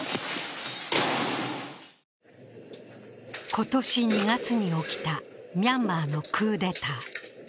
今年２月に起きたミャンマーのクーデター。